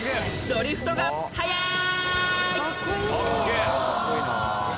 ［ドリフトがはやい！］